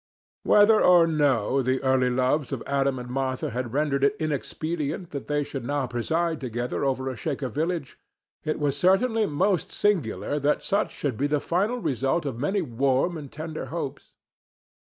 Whether or no the early loves of Adam and Martha had rendered it inexpedient that they should now preside together over a Shaker village, it was certainly most singular that such should be the final result of many warm and tender hopes.